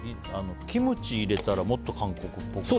キムチ入れたらもっと韓国っぽくなる。